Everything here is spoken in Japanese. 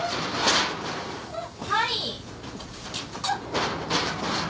・はい。